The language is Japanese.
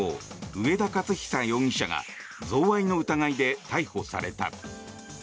上田雄久容疑者が贈賄の疑いで逮捕された。